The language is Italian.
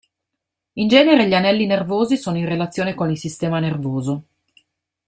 In genere gli anelli nervosi sono in relazione con il sistema nervoso.